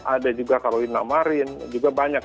ada juga karolina marin juga banyak